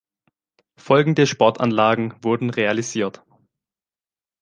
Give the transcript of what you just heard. Folgende Sportanlagen wurden realisiert.